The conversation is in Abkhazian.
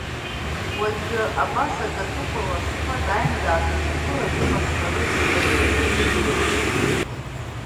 Уажәы абас акы аҵыхәала сԥа дааины даасҿагылар иҟасҵарыз ҳәа сазхәыццыԥхьаӡа сгәы сыхьуеит.